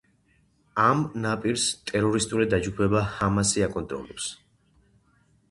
ამ ნაპირს ტერორისტული დაჯგუფება ჰამასი აკონტროლებს.